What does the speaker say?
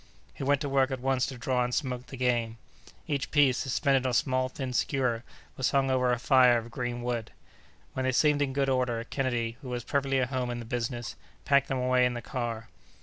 He went to work at once to draw and smoke the game. Each piece, suspended on a small, thin skewer, was hung over a fire of green wood. When they seemed in good order, Kennedy, who was perfectly at home in the business, packed them away in the car.